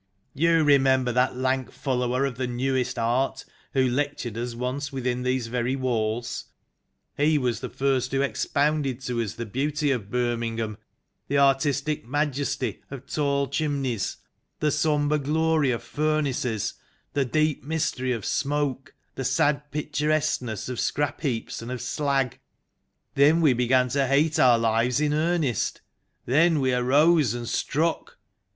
You remember that lank follower of the Newest Art, who lectured to us once within these very walls ? He it was who first expounded to us the beauty of Birmingham, the artistic majesty of tall chimneys, the sombre glory of furnaces, the deep mystery of smoke, the sad picturesqueness of scrap 8 THE LAST GENERATION heaps and of slag. Then we began to hate our lives in earnest ; then we arose and struck.